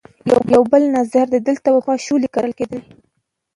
یو بل نظر دی چې دلته به پخوا شولې کرلې کېدې.